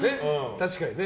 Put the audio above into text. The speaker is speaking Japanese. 確かにね。